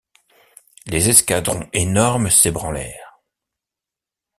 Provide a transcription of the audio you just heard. Les escadrons énormes s’ébranlèrent.